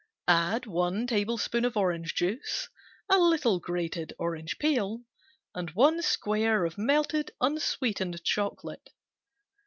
Add one tablespoon orange juice, a little grated orange peel, and one square of melted unsweetened chocolate.